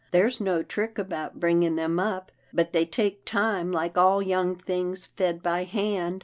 There's no trick about bringing them up, but they take time like all young things fed by hand.